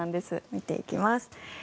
見ていきます。